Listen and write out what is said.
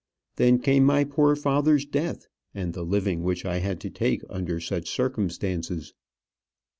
Then came my poor father's death, and the living which I had to take under such circumstances.